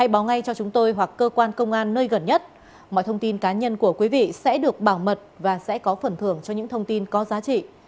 hãy báo ngay cho chúng tôi hoặc cơ quan công an nơi gần nhất mọi thông tin cá nhân của quý vị sẽ được bảo mật và sẽ có phần thưởng cho những thông tin có giá trị